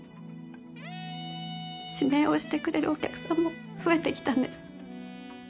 指名をしてくれるお客さんも増えてきたんです。